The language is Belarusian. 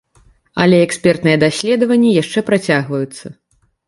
Але экспертныя даследаванні яшчэ працягваюцца.